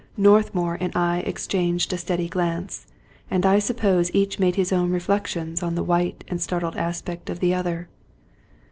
Northmour and I exchanged a steady glance ; and I suppose each made his own reflections on the white and startled aspect of the other.